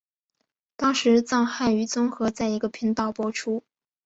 当时藏汉语综合在一个频道播出。